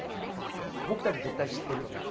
僕たち絶対知ってる野菜？